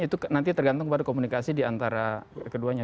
itu nanti tergantung komunikasi di antara keduanya